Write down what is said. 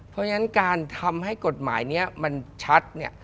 เพราะฉะนั้นการทำให้กฎหมายนี้มันชัดเนี่ย